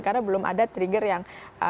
karena belum ada trigger yang